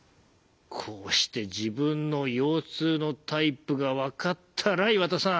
こうして自分の腰痛のタイプが分かったら岩田さん。